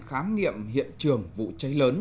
khám nghiệm hiện trường vụ cháy lớn